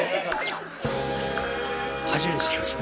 初めて知りました。